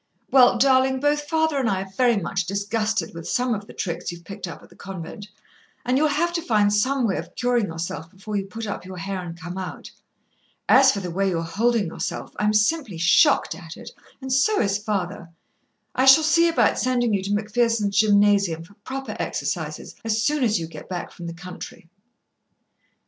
"Well, darling, both father and I are very much disgusted with some of the tricks you've picked up at the convent, and you'll have to find some way of curin' yourself before you put up your hair and come out. As for the way you're holdin' yourself, I'm simply shocked at it, and so is your father; I shall see about sendin' you to MacPherson's gymnasium for proper exercises as soon as you get back from the country."